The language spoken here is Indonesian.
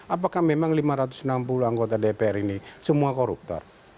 apakah memang lima ratus enam puluh anggota dpr ini semua koruptor